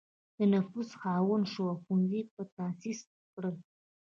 د نفوذ خاوند شو او ښوونځي یې تأسیس کړل.